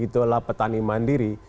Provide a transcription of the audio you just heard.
itulah petani mandiri